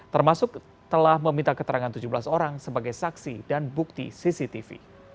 termasuk telah meminta keterangan tujuh belas orang sebagai saksi dan bukti cctv